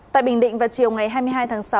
tại bình định vào chiều ngày hai mươi hai tháng sáu